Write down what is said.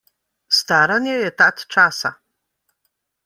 Staranje je tat časa.